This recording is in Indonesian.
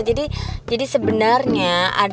jadi jadi sebenarnya